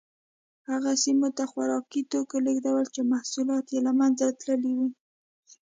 هغه سیمو ته یې خوراکي توکي لېږدول چې محصولات یې له منځه تللي وو